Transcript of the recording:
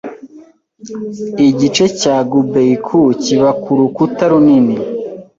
Igice cya Gubeikou kiba ku rukuta runini